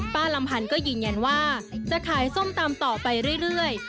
ลำพันธ์ก็ยืนยันว่าจะขายส้มตำต่อไปเรื่อย